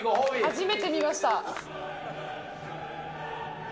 初めて見ました。